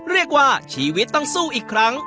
เรียกว่าชีวิตต้องสู้อีกครั้ง